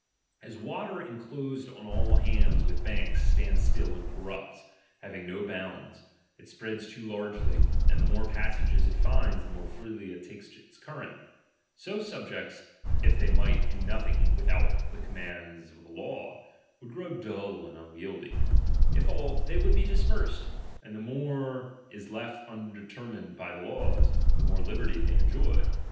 As water inclosed on all hands with banks, stands still and corrupts ; having no bounds, it spreads too largely, and the more passages it finds the more freely it takes its current ; so sub jects, if they might do nothing without the com mands of the law, would grow dull and unwieldy ; if all, they would be dispersed ; and the more is left undetermined by the laws, the more liberty they enjoy.